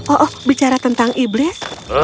oh bicara tentang iblis